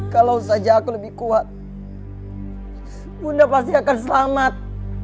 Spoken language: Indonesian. kalau saja aku lebih kuat bunda pasti akan selamat